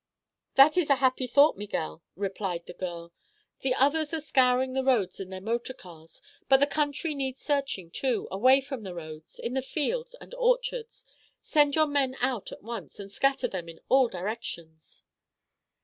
"That is a happy thought, Miguel," replied the girl. "The others are scouring the roads in their motor cars, but the country needs searching, too—away from the roads, in the fields and orchards. Send your men out at once, and scatter them in all directions."